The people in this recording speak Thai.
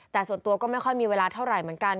แต่ส่วนตัวก็ไม่ค่อยมีเวลาเท่าไหร่เหมือนกัน